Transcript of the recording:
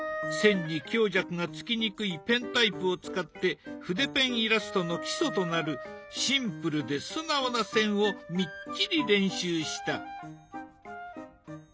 線に強弱がつきにくいペンタイプを使って筆ペンイラストの基礎となるシンプルで素直な線をみっちり練習した。